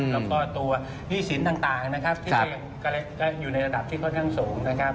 แล้วก็ตัวหนี้สินต่างที่ยังอยู่ในระดับที่ค่อนข้างสูง